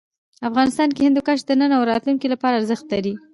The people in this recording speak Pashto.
افغانستان کې هندوکش د نن او راتلونکي لپاره ارزښت لري.